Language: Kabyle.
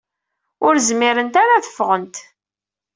Ur zmirent ara ad d-ffɣent.